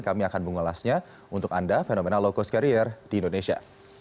kami akan mengulasnya untuk anda fenomena low cost carrier di indonesia